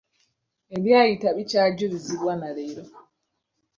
Ebyayita bikyajulizibwa na leero.